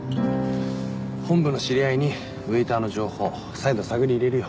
本部の知り合いにウエーターの情報再度探り入れるよ。